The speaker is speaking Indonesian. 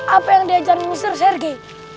apa yang diajarin ustadz sergei